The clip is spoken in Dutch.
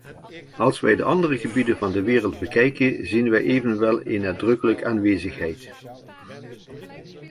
Als wij andere gebieden van de wereld bekijken zien wij evenwel een nadrukkelijk aanwezigheid.